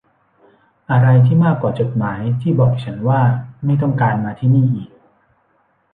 อะไรที่มากกว่าจดหมายที่บอกฉันว่าไม่ต้องการมาที่นี่อีก